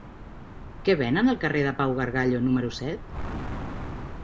Què venen al carrer de Pau Gargallo número set?